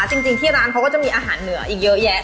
จริงที่ร้านเขาก็จะมีอาหารเหนืออีกเยอะแยะ